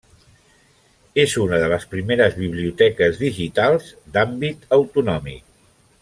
És una de les primeres biblioteques digitals d'àmbit autonòmic.